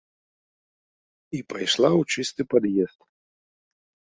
І пайшла ў чысты пад'езд.